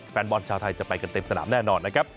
แฟนบอลชาวไทยจะไปกันเต็มสนามแน่นอนนะครับ